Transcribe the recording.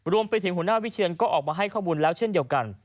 หัวหน้าวิเชียนก็ออกมาให้ข้อมูลแล้วเช่นเดียวกัน